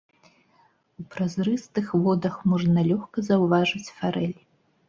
У празрыстых водах можна лёгка заўважыць фарэль.